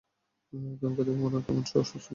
তোমাকে দেখে কেমন অসুস্থ লাগছে!